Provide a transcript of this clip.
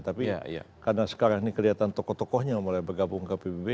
tapi karena sekarang ini kelihatan tokoh tokohnya mulai bergabung ke pbb